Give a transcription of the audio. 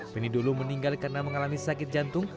beni dulu meninggal karena mengalami sakit jantung